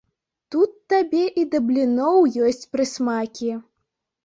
Тут табе і да бліноў ёсць прысмакі!